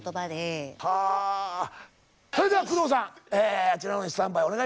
それでは工藤さんあちらのほうにスタンバイお願いします。